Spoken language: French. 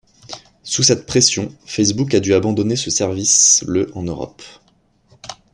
Sous cette pression, Facebook a dû abandonner ce service le en Europe.